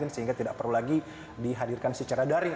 sehingga tidak perlu lagi dihadirkan secara daring